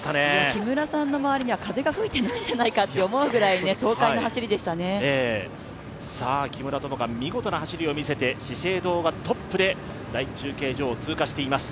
木村さんの周りには風が吹いてないんじゃないかと思うくらい木村友香、見事な走りで資生堂がトップで第１中継所を通過しています。